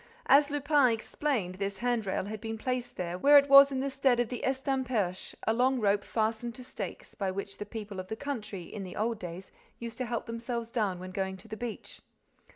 As Lupin explained, this hand rail had been placed where it was in the stead of the estamperche, a long rope fastened to stakes, by which the people of the country, in the old days, used to help themselves down when going to the beach.